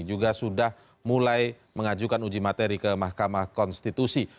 juga sudah mulai mengajukan uji materi ke mahkamah konstitusi